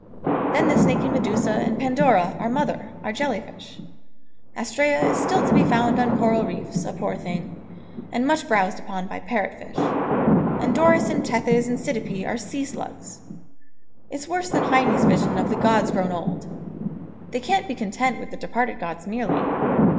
Then the snaky Medusa and Pandora, our mother, are jelly fish; Astræa is still to be found on coral reefs, a poor thing, and much browsed upon by parrot fish; and Doris and Tethys and Cydippe are sea slugs. It's worse than Heine's vision of the gods grown old. They can't be content with the departed gods merely.